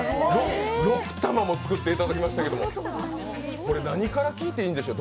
６玉も作っていただきましたけど、これ何から聞いていいんでしょう。